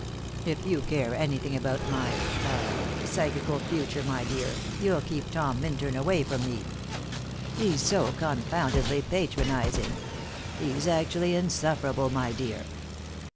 If you care anything about my ah psychical future, my dear, you'll keep Tom Minturn away from me. He's so confoundedly patronizing! He's actually insufferable, my dear.